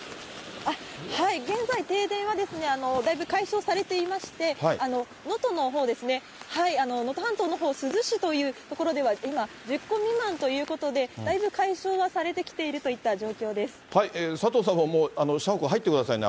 現在、停電はだいぶ解消されていまして、能登のほうですね、能登半島のほう、珠洲市という所では、今、１０戸未満ということで、だいぶ解消はされてきているといった状佐藤さんももう社屋入ってくださいね。